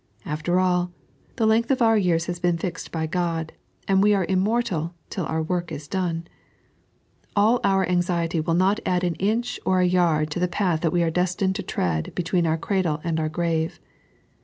After all, the length of our years has been fixed by Ood ; and we are im mortal till our work is done. All our aiuriety will not add an inch or a yard to the path that we are destined to tread between onr cradle and our grave.